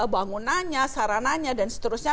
bangunannya sarananya dan seterusnya